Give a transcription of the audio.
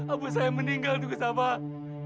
apa saya meninggal teguh sabah